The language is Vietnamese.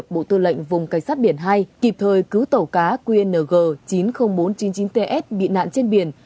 bộ tư lệnh vùng cảnh sát biển hai kịp thời cứu tàu cá qng chín mươi nghìn bốn trăm chín mươi chín ts bị nạn trên biển